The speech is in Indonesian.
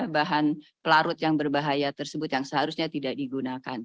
bahan pelarut yang berbahaya tersebut yang seharusnya tidak digunakan